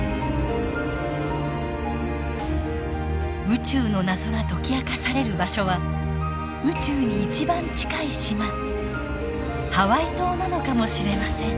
宇宙の謎が解き明かされる場所は宇宙に一番近い島ハワイ島なのかもしれません。